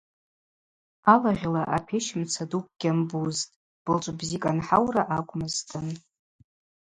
Алагъьла апещ мца дукӏ гьамбузтӏ, былчӏв бзикӏ анхӏаура акӏвмызтын.